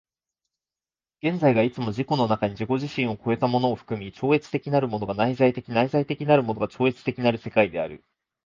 現在がいつも自己の中に自己自身を越えたものを含み、超越的なるものが内在的、内在的なるものが超越的なる世界である。